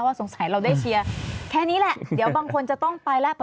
สงสัยเราได้เชียร์แค่นี้แหละเดี๋ยวบางคนจะต้องไปแล้ว